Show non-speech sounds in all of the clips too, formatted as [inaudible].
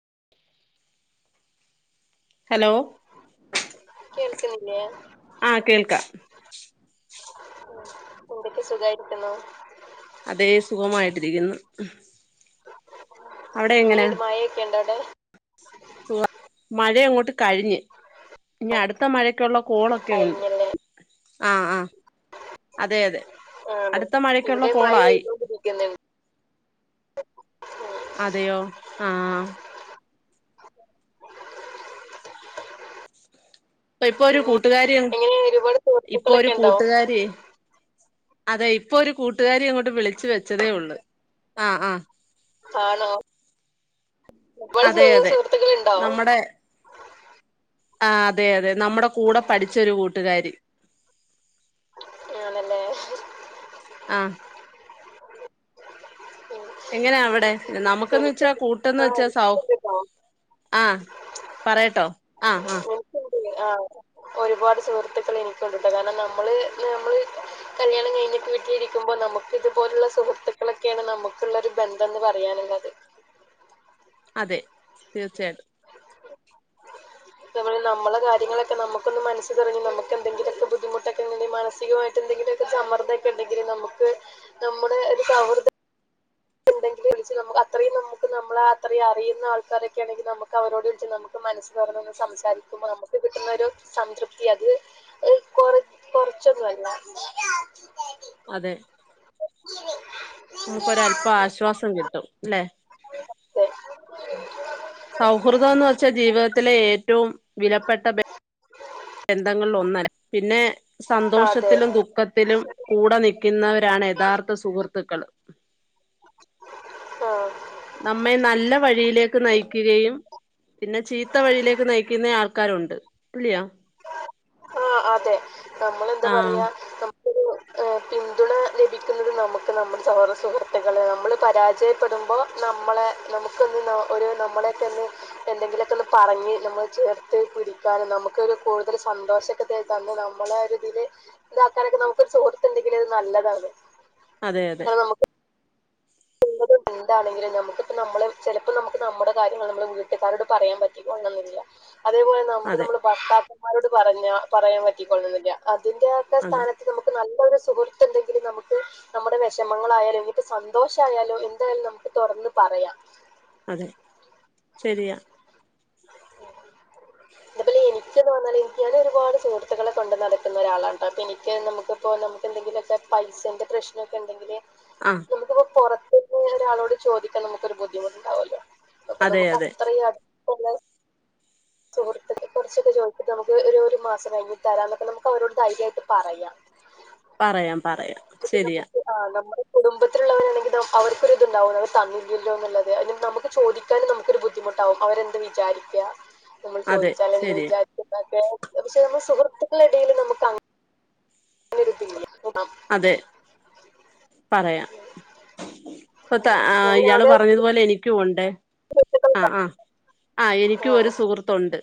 [inaudible] Hello [inaudible] കേൾക്ക്ണില്ലെ? ആഹ് കേൾക്കാം എന്തൊക്കെ സുകായിരിക്കുന്നോ? അതേ സുഖമായിട്ടിരിക്കുന്നു അവിടെ എങ്ങനാ? ക്കണ്ടോടെ. സുഖമാണ് മഴയങ്ങോട്ട്. കഴിഞ്ഞ് ഇനി അടുത്ത മഴക്കുള്ള കോളൊക്കെ ഉണ്ട് കഴിഞ്ഞല്ലേ ആ ആ. അതെ അതെ ആണ് അടുത്ത മഴക്കുള്ള ഇവിടെ മഴ കോളായി. പെയ്തോണ്ടിരിക്കുന്നുണ്ട് ഉം. അതെയോ ആഹ്. ഇപ്പൊ ഒരു പിന്നെ കൂട്ടുകാരി എങ്ങനെ ഒരുപാട് ഇപ്പൊ ഒരു സുഹൃത്തുക്കളൊക്കെ ഉണ്ടോ കൂട്ടുകാരി. അതെ ഇപ്പൊ ഒരു കൂട്ടുകാരി അങ്ങോട്ട് വിളിച്ചു വെച്ചതേ ഉള്ളു ആ ആ. ആണോ. [unintelligible] അതെ സുഹ് അതെ സുഹൃത്തുക്കളു ണ്ടോ? ആ അതെ അതെ നമ്മുടെ കൂടെ പഠിച്ചൊരു കൂട്ടുകാരി. ആണല്ലേ ഹ്. ആഹ്. ഉം. എങ്ങനെ അവിടെ നമുക്കന്ന് എനിക്ക് വെച്ചാ കൂട്ടന്ന് ആ വെച്ചാ സൗ എനിക്കുണ്ട് ട്ടോ ആ പറയട്ടോ ആഹ് ആഹ. എനിക്കുണ്ട് ആ ഒരുപാട് സുഹൃത്തുക്കൾ എനിക്കുണ്ട്ട്ടാ കാരണം നമ്മള് നമ്മള്. കല്യാണം കയിഞ്ഞിട്ട് വീട്ടിരിക്കുമ്പോ നമുക്ക് ഇതുപോലുള്ള സുഹൃത്തുക്കളൊക്കെയാണ് നമുക്കുള്ളൊരു ബന്ധന്ന് പറയാന്. അതെ തീർച്ചയായി [unintelligible] നമ്മള കാര്യങ്ങളൊക്കെ നമുക്കൊന്ന് മനസ് തുറന്ന് നമുക്കെന്തങ്കിലൊക്കെ ബുദ്ധിമുട്ടൊക്കെ മാനസികമായിട്ടന്തെ [unintelligible] സമ്മർദ്ദക്കെ ഇണ്ടെങ്കിൽ നമുക്ക് നമ്മുടെ ഇ സൗഹൃദ ട്ട്ണ്ടെങ്കിൽ വിളിച്ച് നമുക്ക് അത്രയും നമുക്ക് നമ്മള അത്രയും അറിയുന്ന ആൾക്കാരൊക്കെ ആണെങ്കിൽ നമുക്ക് അവരോട് വിളിച്ച് നമുക്ക് മനസ്സ് തുറന്നൊക്കെ സംസാരിക്കുമ്പോ നമക്ക് കിട്ടുന്ന ഒരു സംതൃപ്തി അത് ഹ് കൊർ [unintelligible] അതെ. [unintelligible] നമുക്കോരല്പം ആശ്വാസം കിട്ടുംല്ലെ അതെ സൗഹൃദം എന്ന് വെച്ചാ ജീവിതത്തിലെ ഏറ്റവും വിലപ്പെട്ട ബന്ധങ്ങളിൽ ഒന്നര പിന്നെ അതെ സന്തോഷത്തിലും ദുഃഖത്തിലും കൂടെ നിൽക്കുന്നവരാണ് യഥാർത്ഥ സുഹൃത്തുക്കൾ [unintelligible] [inaudible] ആഹ് നമ്മെ നല്ല വഴിയിലേക്ക് നയിക്കുകയും പിന്നെ ചീത്ത വഴിയിലേക്ക് നയിക്കുന്ന ആൾക്കാരുണ്ട് ഇല്ലയോ ആഹ അതെ നമ്മളെന്താ ആഹ് പറയാ എം പിന്തുണ ലഭിക്കുന്നത് നമുക്ക് നമ്മൾ സഹോദര സുഹൃത്തുക്കൾ നമ്മൾ പരാജയപ്പെടും സംഭവം നമ്മളെ നമുക്കൊന്ന് ഒര് നമ്മളൊക്കെ ഒന്ന് എന്തെങ്കിലുമൊക്കെ ഒന്ന് പറഞ്ഞ് നമ്മൾ ചേർ ത് പിടിക്കാനും നമുക്കോര് കൂടുതൽ സന്തോഷോക്കെ തര് തന്ന് നമ്മള ഒരു ഇതിൽ ഇതാക്കാനൊക്കെ നമുക്കൊരു സുഹൃത്തുണ്ടെങ്കിലിൽ അത് നല്ലതാണ് അതെ അതെ [unintelligible] എന്താണെിലും നമുക്ക്പ്പോ നമ്മള് ചിലപ്പോൾ നമുക്ക് നമ്മുടെ കാര്യങ്ങൾ നമ്മള് വീട്ടുകാരോട് പറയാൻ പറ്റില്ല അതേപോലെ നമുക്ക് അതെ നമ്മടെ ഭർത്താക്കന്മാരോട് പറഞ്ഞ പറയാൻ പറ്റിക്കോള്ളന്നില്ല ഇതിന്റെ ഒക്കെ അതെ സ്ഥാനത്ത് നമുക്ക് നല്ല സുഹൃത്ത് എന്തെങ്കിലും നമുക്ക് നമ്മുടെ വിഷമങ്ങളായാലും എങ്കട്ടും സന്തോഷം ഷയാലും എന്തായാലും നമുക്ക് തുറന്ന് പറയാം അതെ ശരിയാ [unintelligible] എനിക്ക് തോന്നാൽ എനിക്ക് തന്ന ഒരുപാ സഹത്തുളെ കൊണ്ട് നടക്കുന്നരാളാണ്ട്ട്ടാ അപ്പോ എനിക്ക് നമുക്കിപ്പോ നമുക്ക് എന്തെങ്കിലൊക്കെ പൈസന്റെ പ്രശ്നമൊക്കെ ഉണ്ടെങ്കില് ആഹ് നമുക്കിപ്പ പുറത്ത ഒരാളോട് ചോദിക്കാൻ നമുക്കൊരു ബുദ്ധിമുട്ടുണ്ടാവല്ലോ അപ്പൊ അതെ നമുക്ക് അതെ അത്രയും അടുപ്പുള്ളെ [inaudible] സുഹൃത്ത് കുറച്ചൊക്കെ ചോദിച്ചിട്ട് നമുക്ക് ഒരു ഒരു മാസം കഴിഞ്ഞിട്ട് തരാം എന്നൊക്കെ നമുക്ക് അവരോട് ധൈര്യായിട്ട് പറയ പറയാം പറയാം പിന്നെ ശരിയാ നമുക്ക് ആ നമ്മുടെ കുടുംബത്തിലുള്ളവരെ എന്തെങ്കിലും അവർക്കൊരിതുണ്ടാവും നമുക്ക് തന്നില്ലല്ലോ എന്നുള്ളത് നമുക്ക് ചോദിക്കാനും നമുക്കൊരു ബുദ്ധിമുട്ടാവും അവരെ വിചാരിക്ക. നമ്മള് അതെ ചോദിച്ചാൽ എന്ത് ശരിയാ വിചാരിക്കുന്നൊക്കെ പക്ഷെ നമ്മ സുഹൃത് ത്തക്കളെടീൽ നമുക്ക് അങ്ങനൊരിതില്ല. അതെ, പറയാം. ഇപ്പത്തെ ആ അങ്ങനെ ഇയാള് അവിടെ പറഞ്ഞതുപോലെ എനിക്കും ഉണ്ട് അ സുഹൃത്തുക്കളുണ്ടാവും ആ ആ എനിക്കും ഒരു സുഹൃത്തുണ്ട്.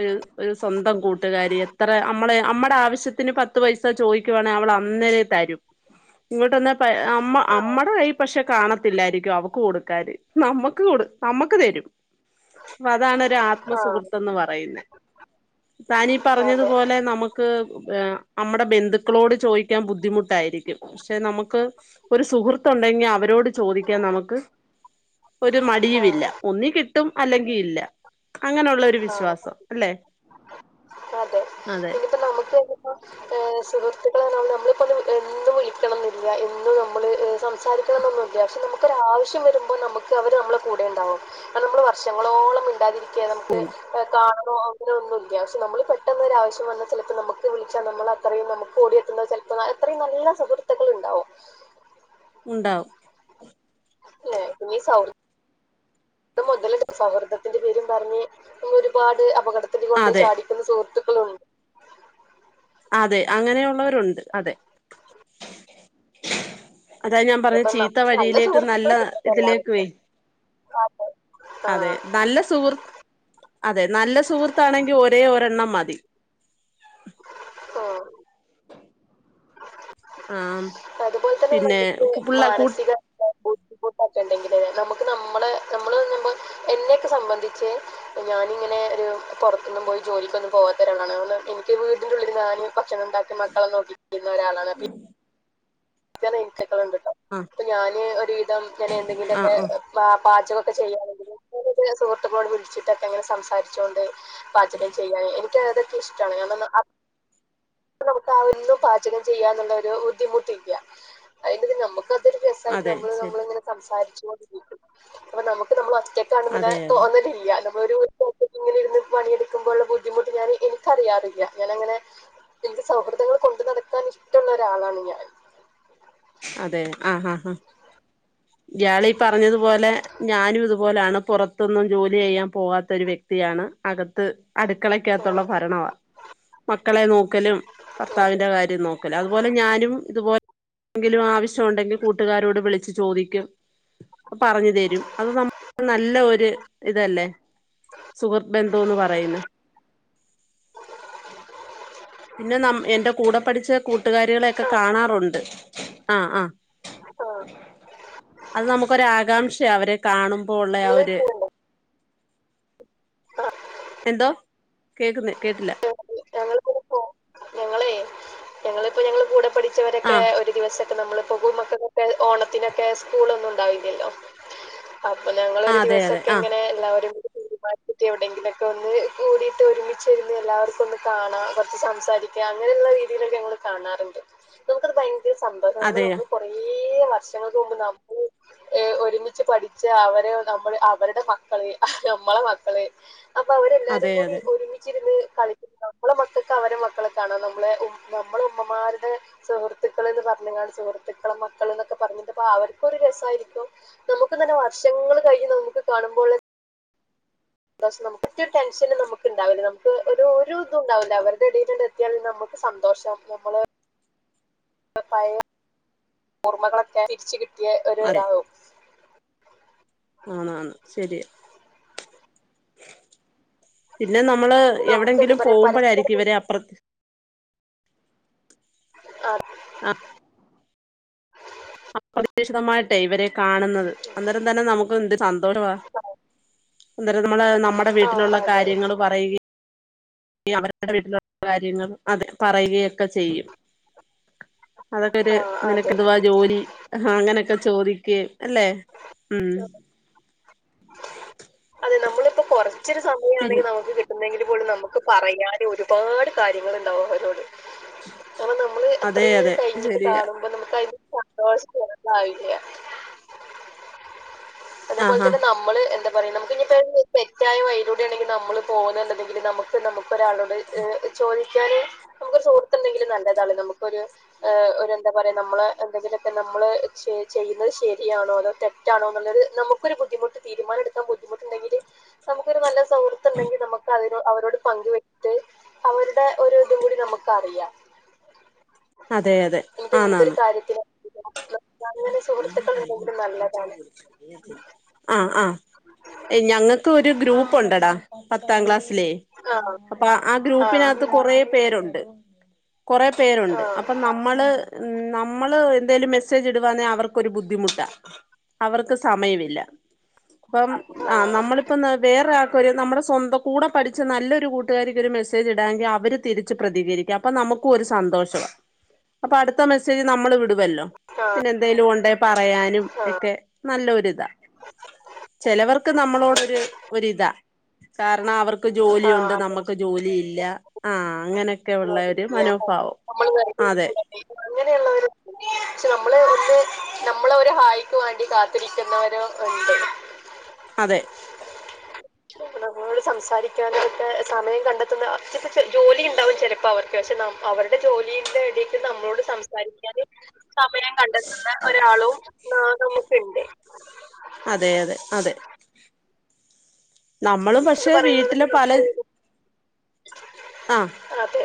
ഒരു ഒരു സ്വന്തം കൂട്ടുകാരി എത്ര അമ്മളെ അമ്മടെ ആവശ്യത്തിന് പത്ത് പൈസ ചോദിക്കുവാണെ അവ അന്നേരേ തരും. ഇങ്ങട്ടൊന്ന് പ അമ്മ അമ്മടെ കയ്യി പക്ഷെ കാണത്തില്ലായിരിക്കും അവക്ക് കൊടുക്കാന്, നമ്മുക്ക് കൊടു നമ്മക്ക് തരും. അപ്പൊ അതാണൊരാത്മ ആ സുഹൃത്തെന്ന് പറയുന്നേ. താനീ ആ അതെ പറഞ്ഞതുപോലെ നമുക്ക് നമ്മുടെ ബന്ധുക്കളോട് ചോദിക്കാൻ ബുദ്ധിമുട്ട് ട്ടായിരിക്കും, പക്ഷെ നമുക്ക് ഒരു സുഹൃത്തുണ്ടെങ്കി അവരോട് ചോദിക്കാൻ നമുക്ക് ഒരു ആ മടിയുമില്ല. ഒന്നി കിട്ടും അല്ലെങ്കി ഇല്ല. ഒര് ആ വിശ്വാസം അല്ലെ? അതെ, അതെ ഇനിയിപ്പോ നമുക്ക്പ്പോ സുഹൃ [unintelligible] നമ്മളിപ്പൊ എന്നും വിളിക്കണംന്നില്ല, എന്നുംനമ്മള് സംസാരിക്കണം എന്നൊന്നുല്ല പക്ഷെ നമുക്കൊരാവശ്യം വരുമ്പോൾ നമുക്ക് അവര് നമ്മളെ കൂടെ ഇണ്ടാവും. നമ്മൾ വർഷങ്ങളോളം മിണ്ടാതിരിക്യ നമുക്ക് കാണോന്നൂല്ല, പക്ഷെ നമ്മൾ പെട്ടെന്ന് ഒരു ആവശ്യം വന്നാൽ ചെലപ്പോ നമുക്ക് വിളിച്ചാൽ നമ്മൾ അത്രയും നമുക്ക് ഓടിയെത്തുന്ന ചെലപ്പോ എത്രയും നല്ല സുഹൃത്തുക്കൾ ഉണ്ടാവും ഉണ്ടാവും. ലെ ഇനി സൗ [unintelligible] മുതല് സൗഹൃദത്തിന്റെ പേരും പറഞ്ഞ് ഒരുപാട് അപകട [unintelligible] കൊണ്ട് അതെ ചാടിക്കുന്ന സുഹൃത്തുക്കളുണ്ട്. അതെ അങ്ങനെയുള്ളവരുണ്ട് അതെ. അതാ ഞാൻ പറഞ്ഞെ ഇതിപ്പോ ചീത്ത നമുക്ക് നല്ല വഴിയിലേക്കും നല്ല സുഹൃത്തുക്കളെ കിട്ടട്ടെ എല്ലാവർക്കും ഇതിലേക്കുഏ [unintelligible] ആഹ് അതെ, നല്ല സുഹൃത് അതെ നല്ല സുഹൃത്താണെങ്കിൽ ഒരേ ഒരെണ്ണം മതി. ഓ ആം അതുപോലെ തന്നെ നമുക്ക്, മാനസിക ബുദ്ധിമുട്ടൊക്കെണ്ടെങ്കില് നമുക്ക് നമ്മളെ നമ്മള് തിന്നുമ്പോ എന്നെക്കെ സംബന്ധിച്ച്, ഞാനിങ്ങനെ ഒരു പൊറത്തൊന്നും പോയി ജോലിക്കൊന്നും പോവാത്തൊരാളാണ് എനിക്ക് വീടിന്റുള്ളില് ഞാനും ഭക്ഷണംണ്ടാക്കി മക്കളെ നോക്കിരിക്കുന്ന ഒരാളാണ് അപ്പോ [unintelligible] ഉണ്ട് ട്ടോ ആ അപ്പൊ ഞാന് ഒരുവിധം ഇങ്ങനെ ആ എന്തെങ്കിലൊക്കെ ആ പാ പാചക [unintelligible] ചെയ്യാണെങ്കിൽ [unintelligible] വിളിച്ചിട്ടൊക്കെങ്ങനെ സംസാരിച്ചോണ്ട് പാചകം ചെയ്യാന് എനിക്ക് അതൊക്കെ ഇഷ്ടാണ് [unintelligible] അ പ്പൊ നമുക്ക് ആ ഒന്നും പാചകം ചെയ്യാന്നുള്ള ഒരു ബുദ്ധിമുട്ടില്ല. അതിന്റെ നമുക്ക് തൊരു രസായിട്ട് അതെ നമ്മള് ശരി നമ്മളിങ്ങനെ സംസാരിച്ചു കൊണ്ടിരിക്കും. അപ്പൊ നമുക്ക് നമ്മള് റ്റക്കാണെന്ന്ല്ലെ അതെ അതെ തോന്നലില്ല ഒരു [unintelligible] ഇങ്ങനെ ഇരുന്ന് പണിയെടുക്കുമ്പോഴുള്ള ബുദ്ധിമുട്ട് ഞാൻ എനിക്കറിയാറില്ല. ഞാനങ്ങനെ എന്റെ സൗഹൃദങ്ങൾ കൊണ്ട് നടക്കാൻ ഇഷ്ടള്ളൊരാളാണ് ഞാൻ. അതെ ആ ഹാ ഹാ. ഇയാളീ പറഞ്ഞതുപോലെ ഞാനും ഇതു പേരാണ്, പുറത്തൊന്നും ജോലി ചെയ്യാൻ പോകാത്തൊരു വ്യക്തി ക്തിയാണ്. അകത്ത് ആ അടുക്കളയ്ക്കകത്തുള്ള ഭരണവാ. മക്കളെ നോക്കലും, അതെ ഭർത്താവിന്റെ കാര്യം നോക്കലാ. അതുപോലെ ഞാനും ഇതുപോ എങ്കിലും ആവശ്യമുണ്ടെങ്കിൽ കൂട്ടുകാരോട് വിളിച്ചു ചോദിക്കും പറഞ്ഞു തരും അത് നമ്മ നല്ല ഒരു ഇതല്ലേ സുഹൃത് ബന്ധംന്ന് പറയുന്നേ പിന്നെ നം എന്റെ കൂടെ പഠിച്ച കു കൂട്ടുകാരികളെയൊക്കെ ആ കാണാറുണ്ട് ആ ആ ആ അത് നമുക്കൊരു ആകാംക്ഷയ അവരെ കാണുമ്പോ ഉള്ള ആ നിങ്ങള് ഒരു പോവുണ്ടോ ആ എന്തോ കേക്ക്ന്ന് കേട്ടില്ല ഞങ്ങളിപ്പോ ഇപ്പോ ഞങ്ങൾ കൂടെ പഠിച്ചവരൊക്കെ ആഹ് ഒരു ദിവസ പ്പോ നമ്മള് പോകു മക്കക്കൊക്കെ ഓണത്തിനൊക്കെ സ്കൂളൊന്നും ഉണ്ടാവില്ലല്ലോ അപ്പൊ ഞങ്ങളൊരു ആഹ് അതെ അതെ ദിവസൊക്കെ ആഹ് അങ്ങനെ എല്ലാവരും [unintelligible] എവിടെയെങ്കിലും ഒക്കെന്ന് കൂടിട്ട് ഒരുമിച്ചിരുന്ന് എല്ലാവർക്കും ഒന്ന് കാണാം കൊറച്ച് സംസാരി അങ്ങനെയുള്ള രീതിയിലൊക്കെ നമ്മള് കാണാറുണ്ട് നമുക്കത് ഭയങ്കര സന്തോഷം കാരണം അതെയ നമ്മൾ കൊറേ ഏഴ് വർഷങ്ങൾക്ക് മുമ്പ് ന [unintelligible] ഒരുമിച്ച് പഠിച്ച അവരെ നമ്മൾ അവരുടെ മക്കൾ നമ്മളെ മക്കളെ അപ്പൊ അവരെല്ലാരും അതെ കൂടി അതെ ഒരുമിച്ചിരുന്ന് കളി [unintelligible] നമ്മളെ മക്കക്ക് അവരെ മക്കളൊക്കെ ആണോ നമ്മളെ ഉ [unintelligible] മാരുടെ സുഹൃത്തുക്കൾ എന്ന് പറഞ്ഞ് കാണ്ട് സുഹൃത്തുക്കളെ മക്കൾ എന്നൊക്കെ പറഞ്ഞിട്ട്പ്പൊ അവർക്കൊ രു രസായിരിക്കും നമുക്ക്ന്നന്നെ വർഷങ്ങൾ കഴിഞ്ഞ് നമുക്ക് കാണുമ്പോൾ [unintelligible] നമുക്ക് ടെൻഷനും നമുക്ക്ണ്ടാവില്ല നമുക്ക് ഒരു ഒരു ദും ഉണ്ടാവില്ല അവരുടെ ഇടയി [unintelligible] എത്തിയാൽ നമു സന്തോഷം നമ്മള് പഴ ഓർമകളൊക്കെ തിരിച്ച കിട്ടിയ ഒരു ഇതാവും ആണാണ് ശരിയ പിന്നെ നമ്മള് ഇത് നമുക്ക് എന്താ എവിടെങ്കിലും പറയാ പരസ്പരം പോകുമ്പോഴായിരിക്കും ഇവരെ അപ്പ്ര ആ [inaudible] [unintelligible] അപ്രതീക്ഷിതമായിട്ടേ ഇവരെ കാണുന്നത് അന്നേരം തന്നെ നമുക്ക് എന്ത് സന്തോഷമാ അന്നേരം നമ്മള് നമ്മുടെ ആ വീട്ടിലുള്ള അതെ കാര്യങ്ങ പറയുകയും അവരുടെ വീട്ടിലുള്ള കാര്യങ്ങൾ അത് പറയുകയൊക്കെ ചെയ്യും അതൊക്കെ ഒരു ആ അതെ നിനക്ക ഇതുവാ ജോലി അങ്ങനെയൊക്കെ ചോദിക്ക അല്ലെ ഉം അതെ നമ്മളപ്പോ കുറച്ചൊരു പിൻ സമയമാണെങ്കിൽ നമുക്ക് കിട്ടുന്നതെിലും മ്പോൾ നമുക്ക് പറയാനൊരുപാട് കാര്യങ്ങുണ്ടാവും അവരോട് കൊറേ നമ്മള് അതെ അത്രയും അതെ കഴിഞ്ഞിട്ട് ശരിയാ കാണുമ്പോ നമുക്ക് അതിന് സന്തോഷം വെറുതെ ആയില്ലേ അതേപോലെ ആഹാ തന്നെ നമ്മള് എന്താ നമുക്കിനി തെറ്റായ വഴിയിലൂടെ ആണെങ്കിൽ നമ്മള് പോകുന്നുണ്ടെങ്കിൽ നമുക്ക് നമുക്ക് ഒരാളോട് ചോദിക്കാാന് നമുക്ക്ൊരു ചോദിക്കാൻ ഒരു സുഹൃത്തുണ്ടെങ്കിലും നല്ലതാണ് നമുൊ ഒരുഹ എന്താ പറയാ നമ്മള് എന്തെങ്കിലും ക്കെ നമ്മള് ചെയ്യുന്നത് ശരിയാണോ അതോ തെറ്റാണോ എന്നുള്ളത് നമുക്കൊരുബുദ്ധിമുട്ട് തീരുമാനമെടുക്കാൻ ബുദ്ധി മുട്ടുണ്ടങ്കിൽ നമുക്കൊരു നല്ല സൗ ഗ് അവരോട് പങ്കുവെത്ത് അവരുടെ ഒരു ഇതുംകൂടി നമുക്ക് അറിയാം അതെ അതെ ഇത് എന്തൊരു ആന്നാന്ന് കാര്യത്തിലും അങ്ങനെ സുഹൃത്തുക്കൾ ഉണ്ടെങ്കിലും നല്ലതാണ് ആ ആ ഞങ്ങൾക്ക് ഒരു ഗ്രൂപ്പ് ഉണ്ട്ടാ പത്താം ക്ലാസ് ലെ ആഹ് അപ്പ ആ ആഹ് ഗ്രൂപ്പിനകത്ത് കൊറേ പേരുണ്ട് കുറെ പേരുണ്ട് അപ്പം ആഹ് നമ്മള് നമ്മള് എന്തേലും മെസ്സേജ് ഇടുവാന്ന അവർക്ക് ക്കൊരു ബുദ്ധിമുട്ടാ അവർക്ക് സമയമില്ല അപ്പം ആ നമ്മളിപ്പം വേറെയാൾ നമ്മുടെ സ്വം കൂടെ പഠിച്ച നല്ലൊരു ക്കൊരു നമ്മടെ സ്വന്തംകൂടെ പഠിച്ചനല്ലൊരു കൂട്ടുകാരിക്ക് ഒരു മെസ്സേജ് ഇടാമെങ്കിൽ അവര് തിരിച്ച് പ്രതികരിക്കാം അ നമ്മൾ നമുക്കുമൊരു സന്തോഷം അപ്പൊ അടുത്ത മെസ്സേജ് നമ്മൾ വിടും ല്ലോ ആഹ് പിന്നെ എന്തേലുണ്ടെ പറയാനും ആഹ് ഒക്കെ ആഹ് നല്ലൊരു ചിലവർക്ക് ഉം നമ്മളോടൊരു ഒരിതാ കാരണം അവർക്ക് ആഹ് ജോലിയുണ്ട് നമ്മുക്ക് ജോലിയില്ല ആ അങ്ങനെ ഒക്കെ ഉള്ള ഒരു അതെ മനോഭാവം നമ്മള് വെറുതെ അതെ ഇരിക്കല്ലേ അങ്ങനെയുള്ളവര് പക്ഷെ നമ്മള് ഒന്ന് നമ്മളെ ഒരു ഹായിക്ക് വേണ്ടി കാത്തിരിക്കുന്നവര് ഉണ്ട് അതെ നമ്മളോട് സംസാരിക്കാനായിട്ട് സമയം കണ്ടെത്തുന്ന അതു പക്ഷെ ജോലിയാണ് ണ്ടാവും ചിലപ്പോ അവർക്ക് പക്ഷെ അവരുടെ ജോലിന്റെ ഇടക്ക് നമ്മളോട് സംസാരിക്കാതെ സമയം കണ്ടെത്തുന്ന ഒരാളും നമുക്കുണ്ട് അതെ അതെ അതെ നമ്മളും എന്ന് പക്ഷെ പറയുന്നത് വീട്ടല് പല ആഹ് അതെ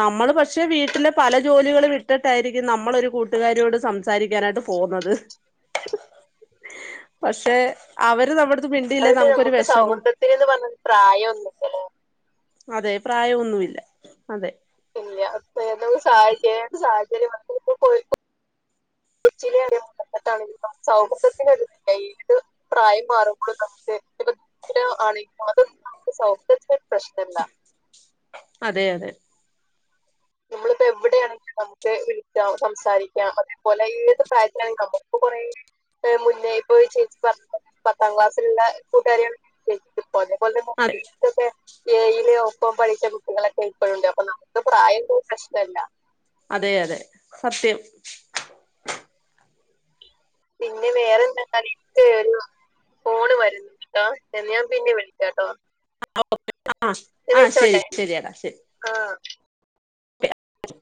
നമ്മള് പക്ഷെ വീട്ടിലെ പല ജോലികൾ വിട്ടിട്ടായിരിക്കും നമ്മളൊരു കൂട്ടുകാരിയോട് സംസാരിക്കാനായിട്ട് പോവുന്നത് പക്ഷെ അവര് നമ്മ അതായത് നമ്മുക്ക് സൗഹൃദത്തിന് പറഞ്ഞ പ്രായംമൊന്നുല്ലലോ അതെ പ്രായൊന്നുല്ല [unintelligible] [unintelligible] [unintelligible] [unintelligible] അതെ അതെ [inaudible] വ്ടെയാണെങ്കിലും നമുക്ക് വിളിക്കാം സംസാരിക്കാം അതേപോലെ ഏത് പ്രായത്തിലാണെങ്കിലും നമുക്ക് കുറെ മുന്നേ ഇപ്പോ ചേച്ചി പറഞ്ഞ പത്താം ക്ലാസ്സിലുള്ള കൂട്ടുകാര്യേള് അതെ അതേപോലെക്കെ ഏയില് ഒപ്പം പഠിച്ച കുട്ടികളൊക്കെ ഇപ്പോഴുണ്ട് അപ്പൊ നമുക്ക് പ്രായം അതൊരു പ്രശ്നല്ല അതെ അതെ സത്യം പിന്നെ വേറെന്താ കട്ട ഫോണ് വരുന്ന കേട്ടോ എന്ന ഞാൻ പിന്നെ വിളിക്കാട്ടോ ആഹ ഇത് ആഹ ശരി വെച്ചോട്ടെ ശരിയടാ ശരി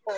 ആ